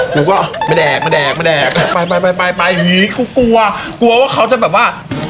คือคิดเป็นอย่างงี้แรว่ะ